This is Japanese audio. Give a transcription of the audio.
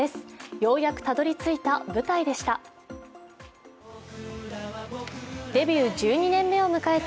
ようやくたどり着いた舞台でした。